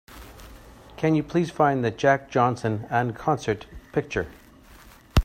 Can you please find the Jack Johnson En Concert picture?